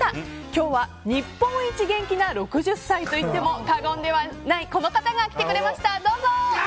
今日は日本一元気な６０歳と言っても過言ではないこの方が来てくれました。